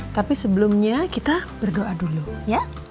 tapi sebelumnya kita berdoa dulu ya